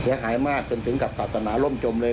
เสียหายมากจนถึงกับศาสนาล่มจมเลย